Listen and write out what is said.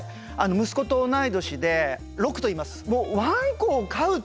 息子と同い年でろくといいます。